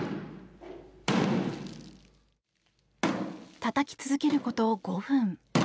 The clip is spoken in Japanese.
たたき続けること５分。